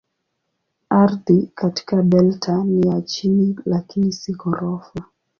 Ardhi katika delta ni ya chini lakini si ghorofa.